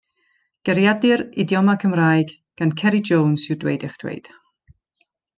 Geiriadur idiomau Cymraeg gan Ceri Jones yw Dweud eich Dweud.